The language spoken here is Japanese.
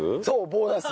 ボーナス。